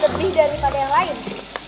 lebih daripada yang lain